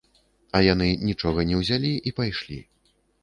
А яны нічога не ўзялі і пайшлі.